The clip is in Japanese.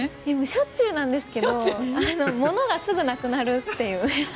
しょっちゅうなんですけど物がすぐなくなるという。